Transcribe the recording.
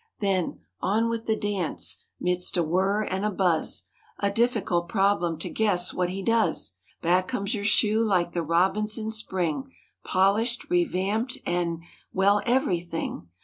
Then—"On with the dance"—midst a whirr and a buzz— (A difficult problem to guess what he does) Back comes your shoe like the robins in spring— Polished, revamped and—well every thing.